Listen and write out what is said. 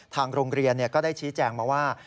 ทางโรงเรียนก็ได้ชี้แจงมาว่า